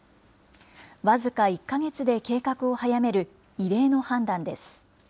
僅か１か月で計画を早める異例の判断です。